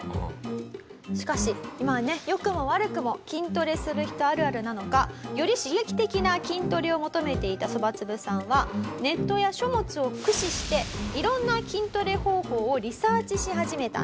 しかしまあね良くも悪くも筋トレする人あるあるなのかより刺激的な筋トレを求めていたそばつぶさんはネットや書物を駆使して色んな筋トレ方法をリサーチし始めたんです。